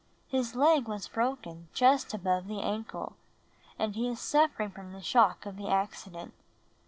His leg was broken just above the ankle, and he is suffering from the shock of the accident.